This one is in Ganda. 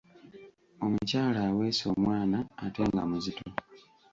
Omukyala aweese omwana ate nga muzito.